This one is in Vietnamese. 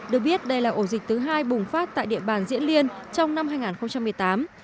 được biết đây là ổ dịch thứ hai bùng phát tại địa bàn diễn liên trong năm hai nghìn một mươi tám